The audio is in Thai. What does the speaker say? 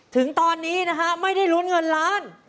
ถึงตอนนี้นะฮะไม่ได้ลุ้นเงินล้าน